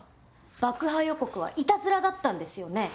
爆破予告はいたずらだったんですよね？